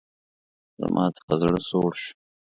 زما څخه زړه سوړ شو.